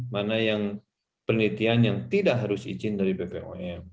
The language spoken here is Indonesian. mana yang penelitian yang tidak harus izin dari bpom